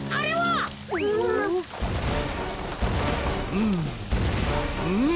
うんうん。